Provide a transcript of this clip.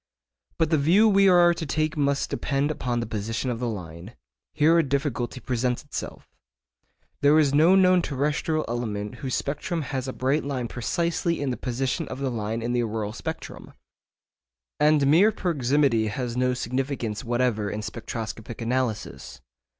But the view we are to take must depend upon the position of the line. Here a difficulty presents itself. There is no known terrestrial element whose spectrum has a bright line precisely in the position of the line in the auroral spectrum. And mere proximity has no significance whatever in spectroscopic analysis.